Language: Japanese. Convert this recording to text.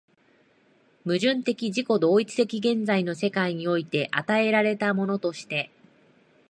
矛盾的自己同一的現在の世界において与えられたものとして、